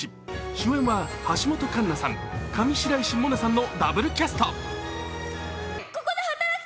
主演は橋本環奈さん、上白石萌音さんのダブルキャスト。